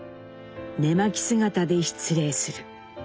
寝まき姿で失礼する。